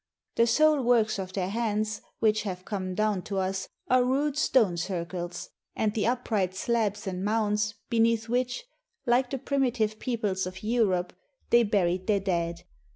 The sole works of their hands which have come down to us are rude stone circles, and the upright slabs and mounds beneath which, like the primitive peoples of Europe, they buried their dead.